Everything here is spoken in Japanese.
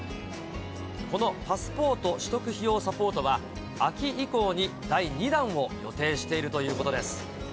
このパスポート取得費用サポートは、秋以降に第２弾を予定しているということです。